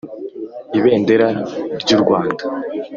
Ibendera ry’urwanda.